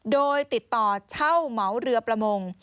โดยติดต่อเช่าเหมาเรือประมง